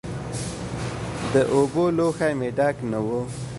د اوبو لوښی مې ډک نه و.